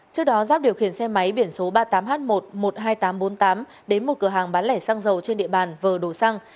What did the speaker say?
trước đó giáp điều khiển xe máy biển số ba mươi tám h một trăm một mươi hai nghìn tám trăm bốn mươi tám đến một cửa hàng bán lẻ xăng dầu trên địa bàn vờ đồ xăng